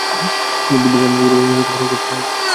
তিনি বর্ধমান-বীরভূমের বৈষ্ণব-বাউলদের সংস্পর্শে আসেন।